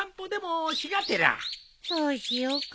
そうしようか。